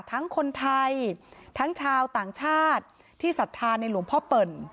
ทั้งคนไทยทั้งชาวต่างชาติที่ศรัทธาในหลวงพ่อเปิ่น